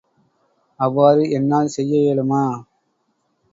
அவ்வாறு என்னால் செய்ய இயலுமா?